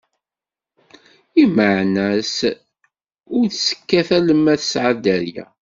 lmeɛna-s ur tt-kkat alemma tesɛa dderya.